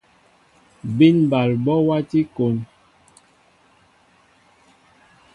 Bín ɓal ɓɔ wati kón.